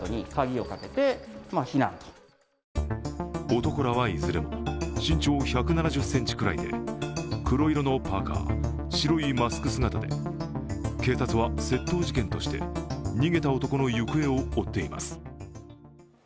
男らはいずれも、身長１７０ｃｍくらいで黒色のパーカー、白いマスク姿で警察は窃盗事件として逃げた男の行方を追っています。